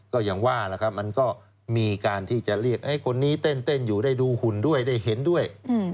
ก็อย่างว่าล่ะครับมันก็มีการที่จะเรียกคนนี้เต้นอยู่ได้ดูหุ่นด้วยได้เห็นด้วย